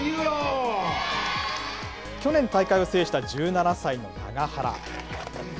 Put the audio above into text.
去年、大会を制した１７歳の永原。